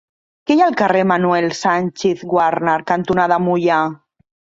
Què hi ha al carrer Manuel Sanchis Guarner cantonada Moià?